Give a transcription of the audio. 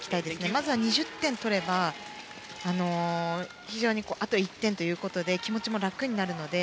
まずは２０点取ればあと１点ということで気持ちも楽になるので。